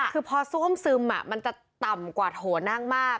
คือพอซ่วมซึมมันจะต่ำกว่าโถนั่งมาก